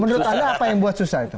menurut anda apa yang buat susah itu